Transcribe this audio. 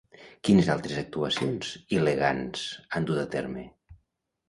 Quines altres actuacions il·legans han dut a terme?